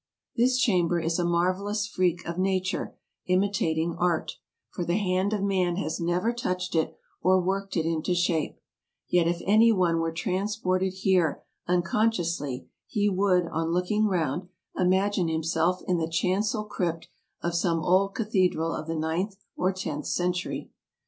This chamber is a marvelous freak of nature imitating art, for the hand of man has never touched it or worked it into shape ; yet if any one were transported here uncon sciously, he would, on looking round, imagine himself in the chancel crypt of some old cathedral of the ninth or tenth century.